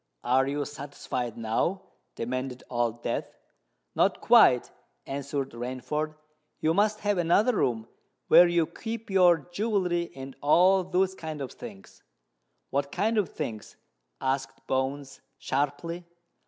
"Are you satisfied now?" demanded Old Death. "Not quite," answered Rainford. "You must have another room where you keep your jewellery and all those kinds of things?" "What kind of things?" asked Bones sharply.